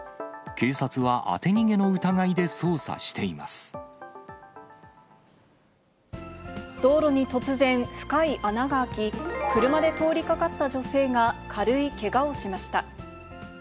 警察は当て逃げの疑いで捜査して道路に突然、深い穴が開き、車で通りかかった女性が軽いけがをしました。